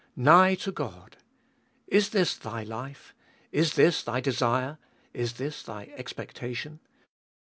3. Nigh to God ! Is this thy life ? Is this thy desire ? Is this thy expectation